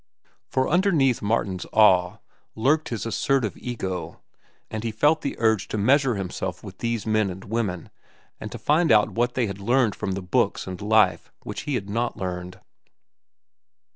For underneath Martin's awe lurked his assertive ego, and he felt the urge to measure himself with these men and women and to find out what they had learned from the books and life which he had not learned.